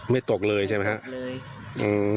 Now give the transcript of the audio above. ตกเลยใช่ไหมครับ